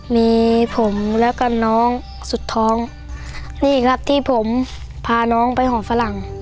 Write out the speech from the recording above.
มีผมแล้วก็น้องสุดท้องนี่ครับที่ผมพาน้องไปห่อฝรั่ง